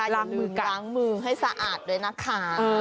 ล้างมือให้สะอาดด้วยนะคะ